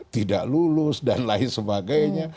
tidak lulus dan lain sebagainya